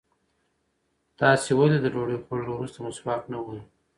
تاسې ولې د ډوډۍ خوړلو وروسته مسواک نه وهئ؟